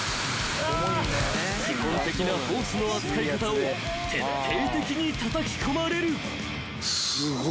［基本的なホースの扱い方を徹底的にたたき込まれる］